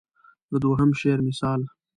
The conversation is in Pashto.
د دوهم شعر مثال.